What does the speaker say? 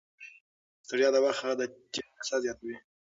ستړیا د وخت د تېري احساس زیاتوي.